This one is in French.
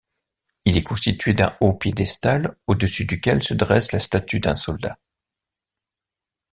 Il est constitué d'un haut piédestal au-dessus duquel se dresse la statue d'un soldat.